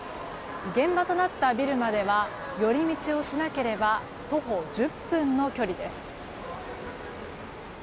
現場となったビルまでは寄り道をしなければ徒歩１０分の距離です。